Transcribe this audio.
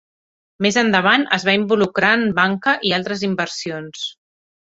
Més endavant es va involucrar en banca i altres inversions.